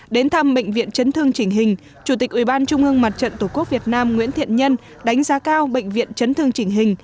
đến thăm bệnh viện chấn thương chỉnh hình chủ tịch ủy ban trung ương mặt trận tổ quốc việt nam nguyễn thiện nhân đánh giá cao bệnh viện chấn thương chỉnh hình